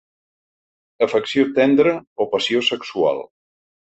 Afecció tendra o passió sexual.